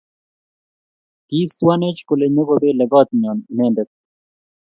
Kistuanech kole nyo kobele kot nyon inendet